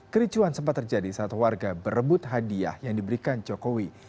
kericuan sempat terjadi saat warga berebut hadiah yang diberikan jokowi